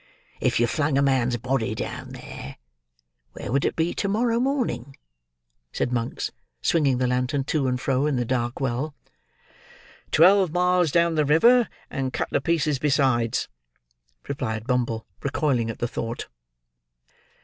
"If you flung a man's body down there, where would it be to morrow morning?" said Monks, swinging the lantern to and fro in the dark well. "Twelve miles down the river, and cut to pieces besides," replied Bumble, recoiling at the thought.